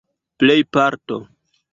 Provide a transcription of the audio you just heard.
plejparto